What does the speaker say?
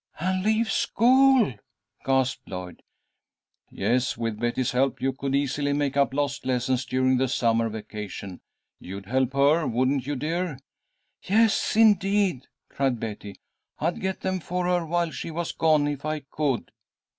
"And leave school?" gasped Lloyd. "Yes, with Betty's help, you could easily make up lost lessons during the summer vacation. You'd help her, wouldn't you, dear?" "Yes, indeed!" cried Betty. "I'd get them for her while she was gone, if I could."